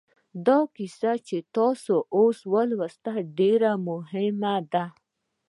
دا کیسه چې تاسې اوس ولوسته ډېره مهمه ده